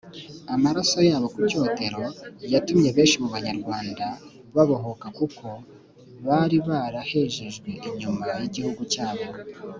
amaraso yabo ku cyotero yatumye benshi mubanyarwanda babohoka kuko baribara hejejwe inyuma yigihugu cyabo.